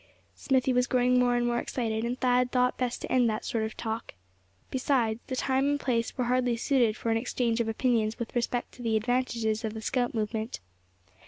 Smithy was growing more and more excited; and Thad thought best to end that sort of talk. Besides, the time and place were hardly suited for an exchange of opinions with respect to the advantages of the scout movement.